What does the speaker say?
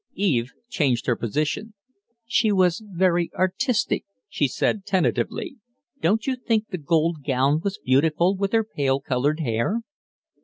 Eve changed her position. "She was very artistic," she said, tentatively. "Don't you think the gold gown was beautiful with her pale colored hair?"